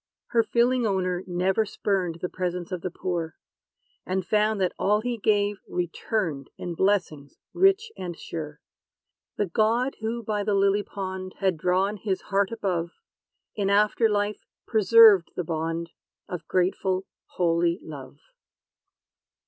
Her feeling owner never spurned The presence of the poor; And found that all he gave returned In blessings rich and sure. The God who by the lily pond Had drawn his heart above, In after life preserved the bond Of grateful, holy love.